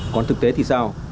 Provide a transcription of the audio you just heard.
còn thực tế thì sao